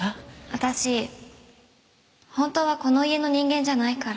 私本当はこの家の人間じゃないから。